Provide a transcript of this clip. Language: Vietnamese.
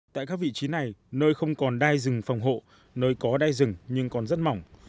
tại các vị trí này nơi không còn đai rừng phòng hộ nơi có đai rừng nhưng còn rất mỏng